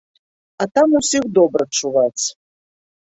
А там усіх добра чуваць.